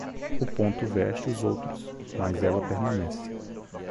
O ponto veste os outros, mas ela permanece.